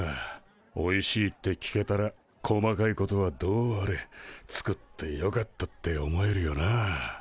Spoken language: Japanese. おいしいって聞けたら細かいことはどうあれ作ってよかったって思えるよな。